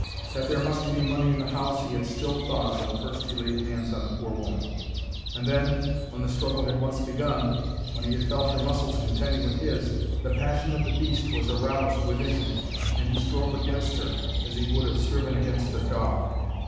That there must be money in the house he had still thought when first he laid hands on the poor woman; and then, when the struggle had once begun, when he had felt her muscles contending with his, the passion of the beast was aroused within him, and he strove against her as he would have striven against a dog.